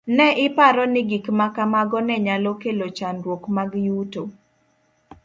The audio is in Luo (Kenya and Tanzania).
Ne iparo ni gik ma kamago ne nyalo kelo chandruok mag yuto.